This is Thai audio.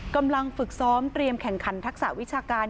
กำลังฝึกซ้อมเตรียมแข่งขันทักษะวิชาการ